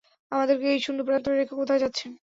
আমাদেরকে এই শূন্য প্রান্তরে রেখে কোথায় যাচ্ছেন?